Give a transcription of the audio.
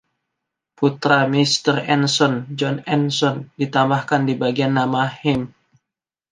Putra Mr Andson, John Andson ditambahkan di bagian nama 'heim'.